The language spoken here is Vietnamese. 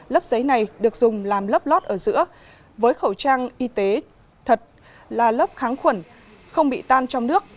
lớp giấy này được dùng làm lớp lót ở giữa với khẩu trang y tế thật là lớp kháng khuẩn không bị tan trong nước